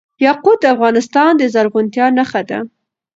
یاقوت د افغانستان د زرغونتیا نښه ده.